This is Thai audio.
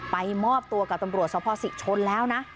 มอบตัวกับตำรวจสภศิชนแล้วนะ